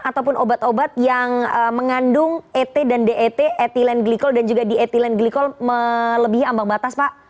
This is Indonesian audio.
ataupun obat obat yang mengandung et dan det etilen glikol dan juga dietilen glikol melebihi ambang batas pak